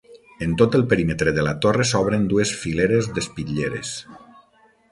En tot el perímetre de la torre s'obren dues fileres d'espitlleres.